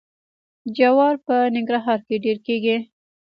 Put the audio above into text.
جوار په ننګرهار کې ډیر کیږي.